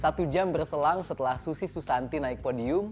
satu jam berselang setelah susi susanti naik podium